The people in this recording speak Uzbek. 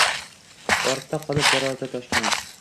Ortda qolib borardi Toshkand